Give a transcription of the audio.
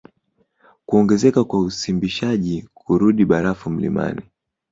Kuongezeka kwa usimbishaji kurudi barafu mlimani